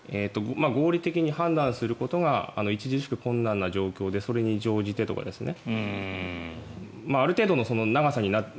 合理的に判断することが著しく困難な状況でそれに乗じてとかですね。